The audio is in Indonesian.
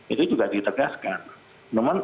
itu juga ditegaskan